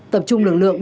tập trung lực lượng